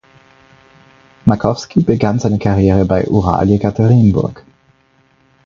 Makowski begann seine Karriere bei Ural Jekaterinburg.